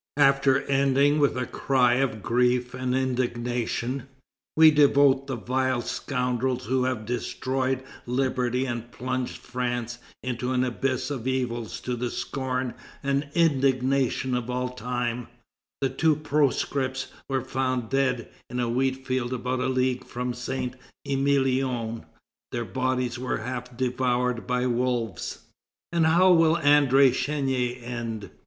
After ending with this cry of grief and indignation: "We devote the vile scoundrels who have destroyed liberty and plunged France into an abyss of evils to the scorn and indignation of all time," the two proscripts were found dead in a wheat field about a league from Saint Emilion. Their bodies were half devoured by wolves. And how will André Chénier end?